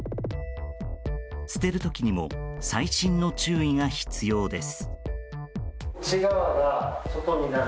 捨てる時にも細心の注意が必要です。